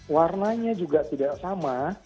warnanya juga tidak sama